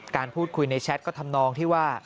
การพูดคุยในแชทก็ทำนองที่ว่า